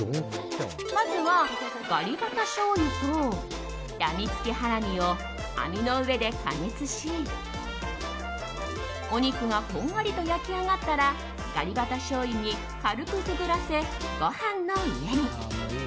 まずは、ガリバタ醤油とやみつきハラミを網の上で加熱しお肉がこんがりと焼き上がったらガリバタ醤油に軽くくぐらせご飯の上に。